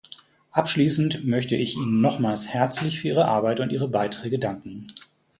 Abschließend möchte ich Ihnen nochmals herzlich für Ihre Arbeit und Ihre Beiträge danken.